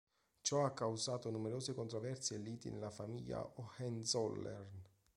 Ciò ha causato numerose controversie e liti nella famiglia Hohenzollern.